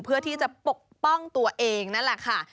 เพื่อที่จะปกป้องตัวเองนั่นแหละค่ะ